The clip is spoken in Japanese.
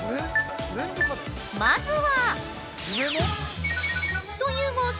まずは！